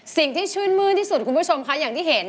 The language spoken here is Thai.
สิ่งที่ชื่นมื้นที่สุดคุณผู้ชมค่ะอย่างที่เห็น